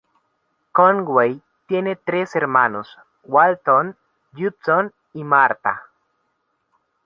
Conway tiene tres hermanos: Walton, Judson y Martha.